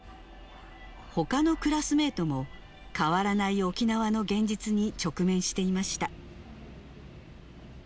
ほかのクラスメートも、変わらない沖縄の現実に直面していました。